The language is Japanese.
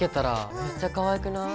めっちゃかわいい！